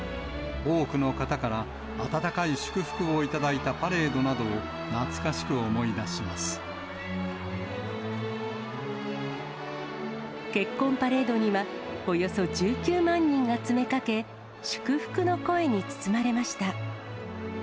多くの方から温かい祝福を頂いたパレードなどを懐かしく思い出し結婚パレードには、およそ１９万人が詰めかけ、祝福の声に包まれました。